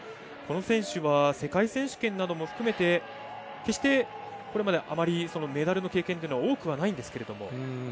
この選手は世界選手権なども含めて決して、これまであまりメダルの経験というのは多くはないんですけど。